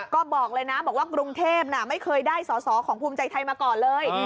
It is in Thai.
ก็บอกเลยนะบอกว่ากรุงเทพไม่เคยได้สอสอของภูมิใจไทยมาก่อนเลย